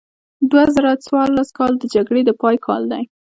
دوه زره څوارلس کال د جګړې د پای کال دی.